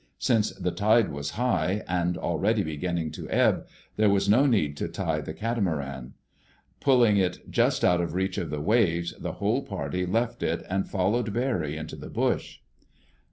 Since the tide was high, and already beginning to ebb, there was no need to tie the catamaran. Pulling it just out of reach of the waves, the whole party left it, and followed Barry into the bush.